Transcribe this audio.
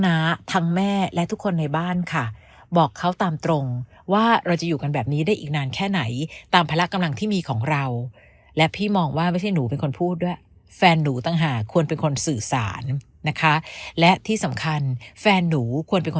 น้าทั้งแม่และทุกคนในบ้านค่ะบอกเขาตามตรงว่าเราจะอยู่